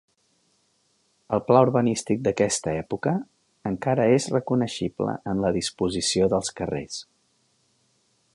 El pla urbanístic d'aquesta època encara és reconeixible en la disposició dels carrers.